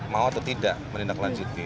mau atau tidak menindaklanjuti